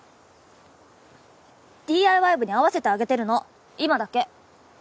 ＤＩＹ部に合わせてあげてるの今だけ！